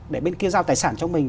để bên kia giao tài sản cho mình